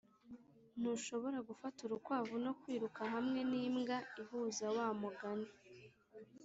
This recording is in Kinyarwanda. ntushobora gufata urukwavu no kwiruka hamwe n'imbwa ihuza wa mugani